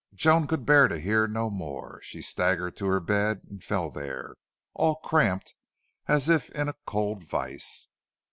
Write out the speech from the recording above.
Joan could bear to hear no more. She staggered to her bed and fell there, all cramped as if in a cold vise.